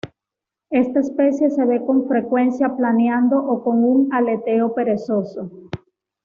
Esta especie se ve con frecuencia planeando o con un aleteo perezoso.